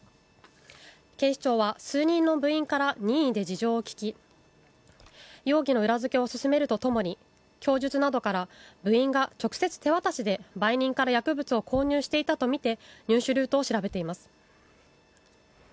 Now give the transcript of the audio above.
警視庁は数人の部員から任意で事情を聴き容疑の裏付けを進めるとともに供述などから部員が直接手渡しで売人から薬物を購入していたとみて入手ルートを調べています。